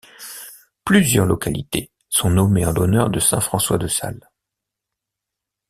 Plusieurs localités sont nommées en l'honneur de saint François de Sales.